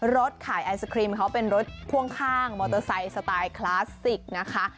รถขายไอศครีมเขาเป็นรถพ่วงข้างมอเตอร์ไซค์สไตล์คลาสสิกนะคะ